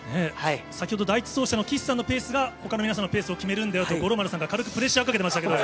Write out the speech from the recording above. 先ほど、第１走者の岸さんのペースが、ほかの皆さんのペースを決めるんだよと、五郎丸さんが、軽くプレッシャーをかけていましたけども。